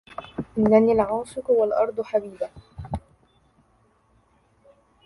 إنني العاشق, والأرض حبيبهْ!